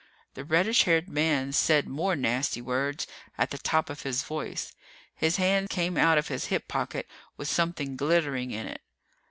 The reddish haired man said more nasty words at the top of his voice. His hand came out of his hip pocket with something glittering in it.